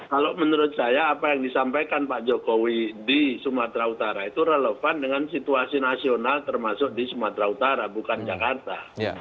kalau menurut saya apa yang disampaikan pak jokowi di sumatera utara itu relevan dengan situasi nasional termasuk di sumatera utara bukan jakarta